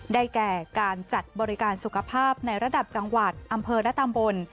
แก่การจัดบริการสุขภาพในระดับจังหวัดอำเภอและตำบล